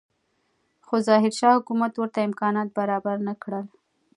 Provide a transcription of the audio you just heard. خو ظاهرشاه حکومت ورته امکانات برابر نه کړل.